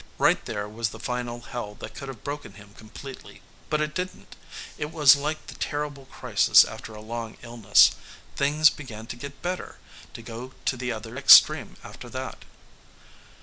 Right there was the final hell that could have broken him completely. But it didn't. It was like the terrible crisis after a long illness. Things began to get better, to go to the other extreme after that.